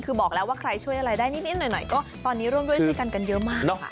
คือบอกแล้วว่าใครช่วยอะไรได้นิดหน่อยก็ตอนนี้ร่วมด้วยช่วยกันกันเยอะมาก